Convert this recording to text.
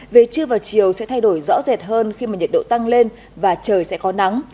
về trưa và chiều sẽ thay đổi rõ rệt hơn khi mà nhiệt độ tăng lên và trời sẽ có nắng